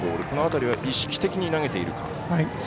この辺りは意識的に投げているか。